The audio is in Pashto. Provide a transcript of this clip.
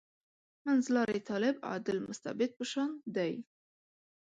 منځلاری طالب «عادل مستبد» په شان دی.